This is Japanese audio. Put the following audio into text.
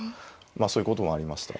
まあそういうこともありました。